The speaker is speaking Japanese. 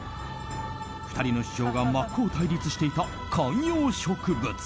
２人の主張が真っ向対立していた観葉植物。